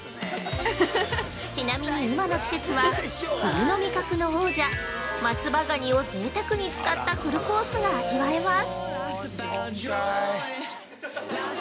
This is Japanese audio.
ちなみに今の季節は冬の味覚の王者「松葉ガニ」をぜいたくに使ったフルコースが味わえます。